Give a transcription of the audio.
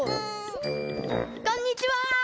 こんにちは！